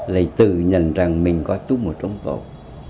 lại tự nhận rằng mình có chung một dân tộc